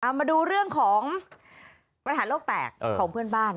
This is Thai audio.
มาดูเรื่องของปัญหาโลกแตกของเพื่อนบ้าน